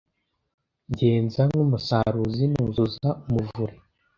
ngenza nk’umusaruzi nuzuza umuvure.